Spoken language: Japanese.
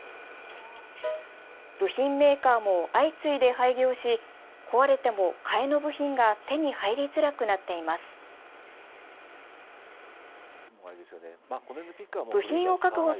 部品メーカーも相次いで廃業し壊れても替えの部品が手に入りづらくなっています。